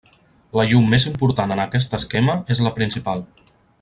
La llum més important en aquest esquema és la principal.